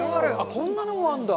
こんなのもあるんだ。